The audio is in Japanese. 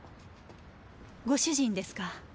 ご主人ですか？